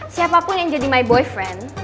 siapapun yang jadi my boyfense